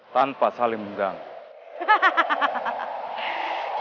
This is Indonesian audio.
tanpa saling mengganggu